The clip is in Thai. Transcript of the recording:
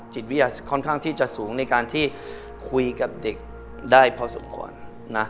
จิตวิทยาค่อนข้างที่จะสูงในการที่คุยกับเด็กได้พอสมควรนะ